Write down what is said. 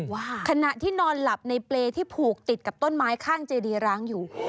ว่าขณะที่นอนหลับในเปรย์ที่ผูกติดกับต้นไม้ข้างเจดีร้างอยู่